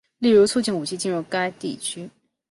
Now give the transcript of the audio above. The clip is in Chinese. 例如促进武器进入该地区。